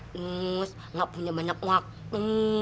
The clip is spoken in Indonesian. terus gak punya banyak waktu